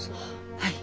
はい。